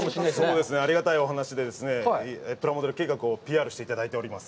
そうですね、ありがたいお話で、プラモデル計画をＰＲしていただいております。